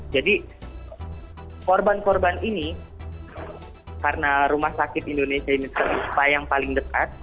jadi korban korban ini karena rumah sakit indonesia ini adalah spa yang paling dekat